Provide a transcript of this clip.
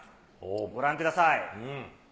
ご覧ください。